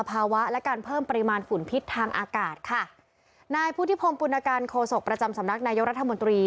และการเพิ่มปริมาณฝุ่นพิษทางอากาศค่ะนายพุทธิพงศ์ปุณการโคศกประจำสำนักนายกรัฐมนตรี